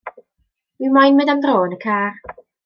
Wi moyn mynd am dro yn car.